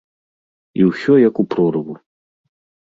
І ўсё як у прорву.